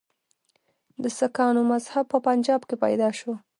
د سکانو مذهب په پنجاب کې پیدا شو.